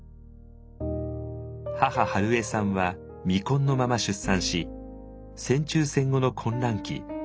母春恵さんは未婚のまま出産し戦中戦後の混乱期